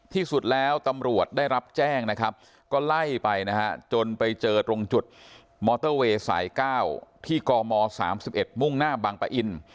ที่สุดแล้วตำรวจได้รับแจ้งนะครับก็ไล่ไปนะฮะจนไปเจอตรงจุดมอเตอร์เวย์สาย๙ที่กม๓๑มุ่งหน้าบางปะอิน